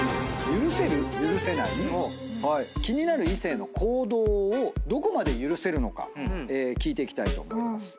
気になる異性の行動をどこまで許せるのか聞いていきたいと思います。